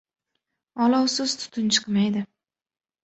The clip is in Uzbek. • Olovsiz tutun chiqmaydi.